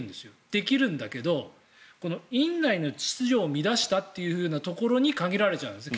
できるんだけどこの院内の秩序を乱したというふうなところに限られちゃうんです。